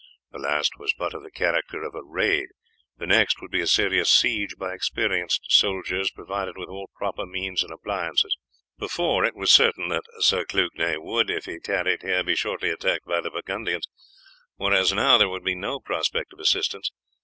The last was but of the character of a raid, the next would be a serious siege by experienced soldiers provided with all proper means and appliances. Before, it was certain that Sir Clugnet would, if he tarried here, be shortly attacked by the Burgundians, whereas now there would be no prospect of assistance.